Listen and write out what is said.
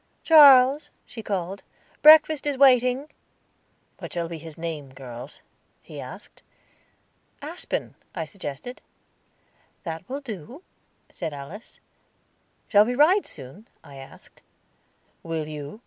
"Charles," she called. "Breakfast is waiting." "What shall be his name, girls?" he asked. "Aspen," I suggested. "That will do," said Alice. "Shall we ride soon?" I asked. "Will you?"